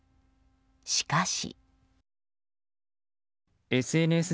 しかし。